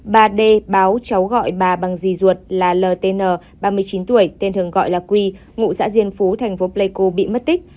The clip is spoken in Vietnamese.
bà d báo cháu gọi bà bằng di ruột là ltn ba mươi chín tuổi tên thường gọi là quy ngụ xã diên phú thành phố pleiku bị mất tích